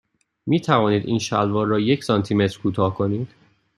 می توانید این شلوار را یک سانتی متر کوتاه کنید؟